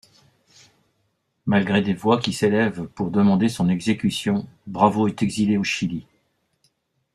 Malgré des voix qui s'élèvent pour demander son exécution, Bravo est exilé au Chili.